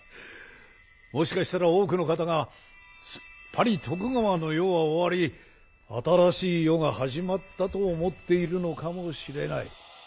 もしかしたら多くの方がすっぱり徳川の世は終わり新しい世が始まったと思っているのかもしれない。